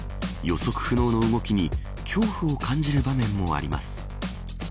予測不能の動きに恐怖を感じる場面もあります。